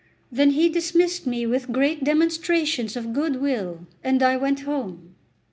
Then he dismissed me with great demonstrations of good will, and I went home. Note 1.